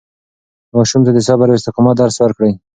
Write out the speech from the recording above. ماشومانو ته د صبر او استقامت درس ورکړئ.